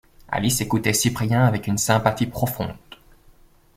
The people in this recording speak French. Alice écoutait Cyprien avec une sympathie profonde.